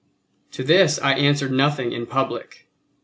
To this I answered nothing in public.